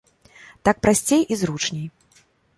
Так прасцей і зручней.